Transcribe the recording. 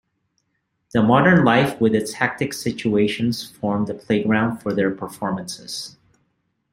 The modern life with its hectic situations form the playground for their performances.